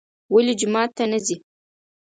ولې جومات ته نه ځي.